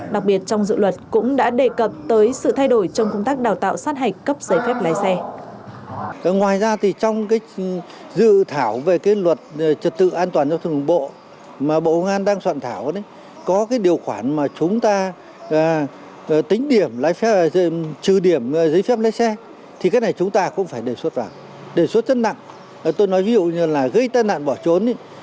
đặc biệt trong dự luật cũng đã đề cập tới sự thay đổi trong công tác đào tạo sát hạch cấp giấy phép lấy xe